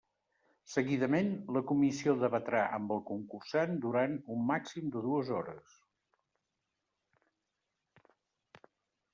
Seguidament, la comissió debatrà amb el concursant durant un màxim de dues hores.